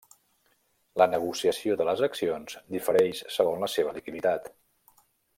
La negociació de les accions difereix segons la seva liquiditat.